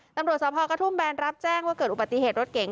ตำรวจสภกระทุ่มแบนรับแจ้งว่าเกิดอุบัติเหตุรถเก๋ง